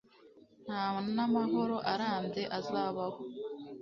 nta n'amahoro arambye azabaho